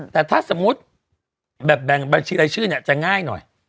แต่ถ้าสมมุติแบบแบ่งบัญชีรายชื่อเนี่ยจะง่ายหน่อย